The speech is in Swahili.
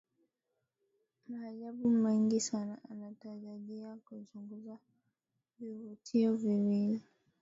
Maajabu mengi Sana Anatarajia kuchunguza vivutio viwili